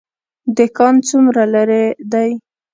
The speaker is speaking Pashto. دکان څومره لرې دی؟